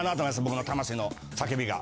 僕の魂の叫びが。